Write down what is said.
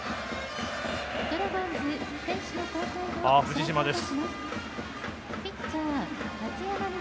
藤嶋です。